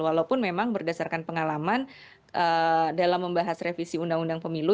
walaupun memang berdasarkan pengalaman dalam membahas revisi undang undang pemilu